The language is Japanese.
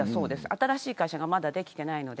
新しい会社がまだできていないので。